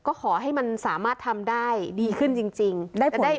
ก็ขอให้มันสามารถทำได้ดีขึ้นจริงจริงก็ได้ผลจริง